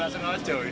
masa enak jauh